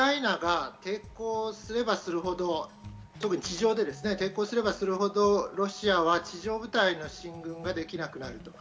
ウクライナが抵抗すればするほど地上で抵抗すればするほどロシアは地上部隊の進軍ができなくなる。